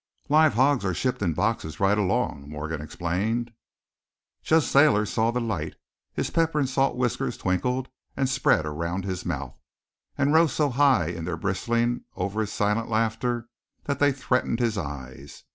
"Live hogs are shipped in boxes, right along," Morgan explained. Judge Thayer saw the light; his pepper and salt whiskers twinkled and spread around his mouth, and rose so high in their bristling over his silent laughter that they threatened his eyes.